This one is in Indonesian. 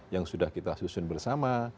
yang sudah kita susun bersama